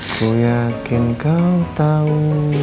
aku yakin kau tau